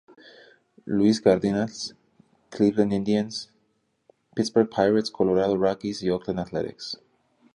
Louis Cardinals, Cleveland Indians, Pittsburgh Pirates, Colorado Rockies y Oakland Athletics.